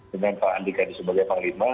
dengan pak andika ini sebagai panglima